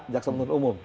jaksa untung umum